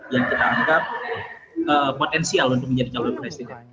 yang kita anggap potensial untuk menjadi calon presiden